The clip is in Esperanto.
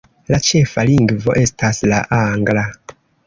La ĉefa lingvo estas la Angla.